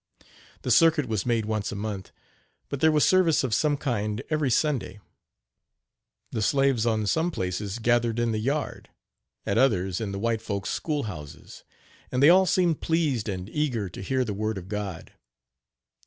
The circuit was made once a month, but there was service of some kind every Sunday. The slaves on some places gathered in the yard, at others in the white folks' school houses, and they all seemed pleased and eager to hear the word of God.